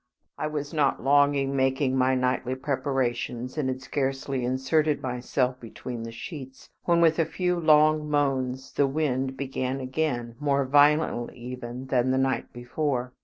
I was not long in making my nightly preparations, and had scarcely inserted myself between the sheets when, with a few long moans, the wind began again, more violently even than the night before.